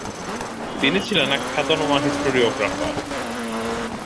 তিনি ছিলেন এক খ্যাতনামা হিস্টোরিওগ্রাফার।